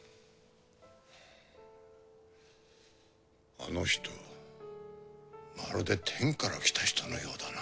あの人まるで天から来た人のようだな。